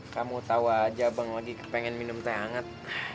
kamu tahu aja bang lagi pengen minum teh hangat